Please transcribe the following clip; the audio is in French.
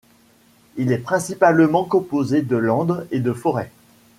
Il est principalement composé de lande et de forêt.